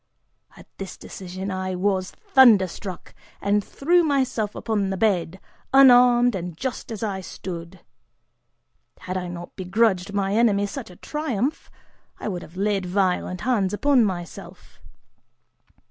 At this decision I was thunder struck, and threw myself upon the bed, unarmed and just as I stood. Had I not begrudged my enemy such a triumph, I would have laid violent hands upon myself.